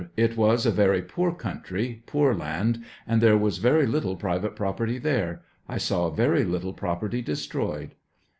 It was a very poor country, poor land, and there was very little private property there ; I saw very lit tle property destroyed.